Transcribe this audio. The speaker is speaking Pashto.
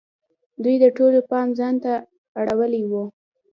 دوی د ټولو پام ځان ته اړولی وو.